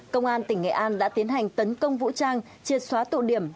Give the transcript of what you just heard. công an tỉnh nghệ an đã tiến hành tấn công vũ trang triệt xóa tụ điểm